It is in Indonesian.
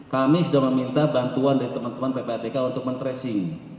kami sudah meminta bantuan dari teman teman ppatk untuk men tracing